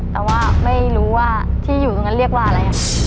แต่ว่าไม่รู้ว่าที่อยู่ตรงนั้นเรียกว่าอะไร